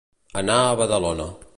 Anar a Badalona.